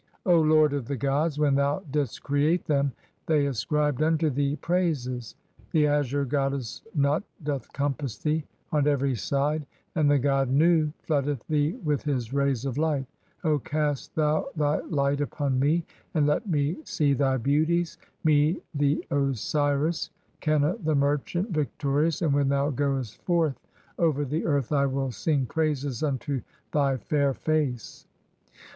O lord of the "gods, when thou didst create (8) them they ascribed unto thee "praises. The azure goddess Nut doth compass thee on every side, "and the god Nu (9) floodeth thee with his rays of light. O cast "thou thy light upon me and let me see thy beauties, me the Osiris "(10) Qenna the merchant, victorious, and when thou goest forth "over the earth I will sing praises unto thy fair face.